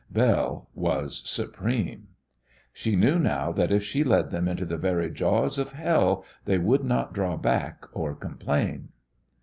Belle was supreme. She knew now that if she led them into the very jaws of hell they would not draw back or complain.